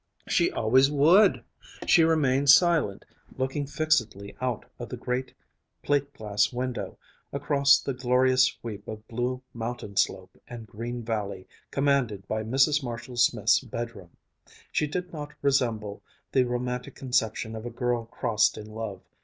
She always would! She remained silent, looking fixedly out of the great, plate glass window, across the glorious sweep of blue mountain slope and green valley commanded by Mrs. Marshall Smith's bedroom. She did not resemble the romantic conception of a girl crossed in love.